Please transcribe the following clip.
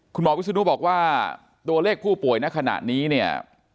คุณหมอวิศนุบอกว่าตัวเลขผู้ป่วยในขณะนี้เนี่ย